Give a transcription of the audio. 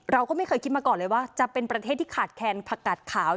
เราก็ไม่เคยคิดมาก่อนเลยว่าจะเป็นประเทศที่ขาดแคนผักกัดขาว